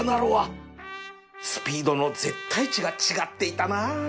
スピードの絶対値が違っていたな